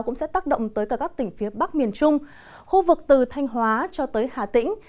cũng sẽ tác động tới cả các tỉnh phía bắc miền trung khu vực từ thanh hóa cho tới hà tĩnh